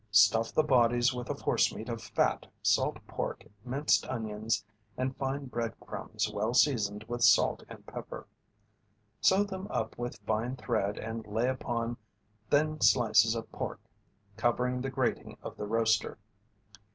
Stuff the bodies with a forcemeat of fat, salt pork, minced onions, and fine bread crumbs well seasoned with salt and pepper. Sew them up with fine thread and lay upon thin slices of pork, covering the grating of the roaster.